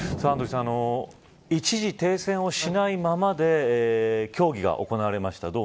アンドリーさん、一時停戦をしないままで協議が行われました。